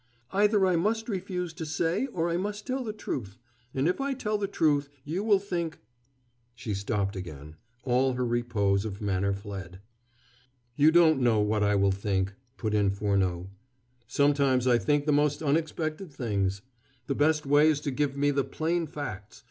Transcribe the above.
"Either I must refuse to say, or I must tell the truth and if I tell the truth, you will think " She stopped again, all her repose of manner fled. "You don't know what I will think," put in Furneaux. "Sometimes I think the most unexpected things. The best way is to give me the plain facts.